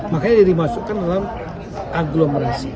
makanya dia dimasukkan dalam aglomerasi